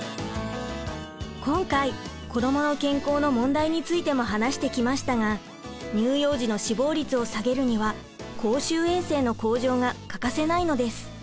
今回子どもの健康の問題についても話してきましたが乳幼児の死亡率を下げるには公衆衛生の向上が欠かせないのです。